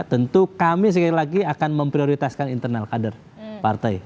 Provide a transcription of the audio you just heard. tentu kami sekali lagi akan memprioritaskan internal kader partai